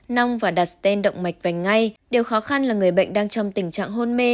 nong và đặt sten động mạch vành ngay điều khó khăn là người bệnh đang trong tình trạng hôn mê